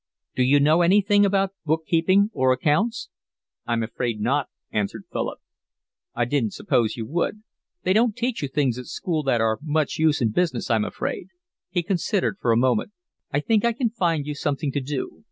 Do you know anything about book keeping or accounts?" "I'm afraid not," answered Philip. "I didn't suppose you would. They don't teach you things at school that are much use in business, I'm afraid." He considered for a moment. "I think I can find you something to do."